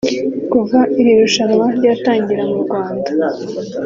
Kuva iri rushanwa ryatangira mu Rwanda